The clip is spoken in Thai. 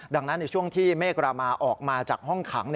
ดังนั้นในช่วงที่เมฆรามาออกมาจากห้องขัง